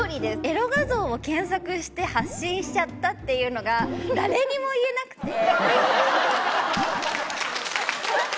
エロ画像を検索して発信しちゃったっていうのが誰にも言えなくて。